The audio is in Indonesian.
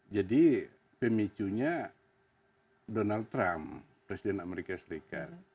jadi pemicunya donald trump presiden amerika serikat